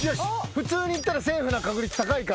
普通にいったらセーフな確率高いからな。